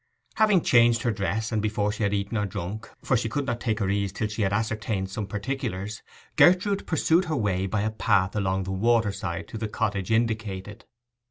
Having changed her dress, and before she had eaten or drunk—for she could not take her ease till she had ascertained some particulars—Gertrude pursued her way by a path along the water side to the cottage indicated.